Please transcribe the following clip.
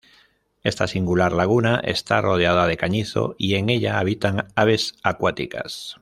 Esta singular laguna está rodeada de cañizo y en ella habitan aves acuáticas.